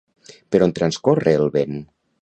Per on transcorre el vent?